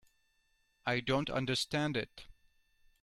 I don't understand it.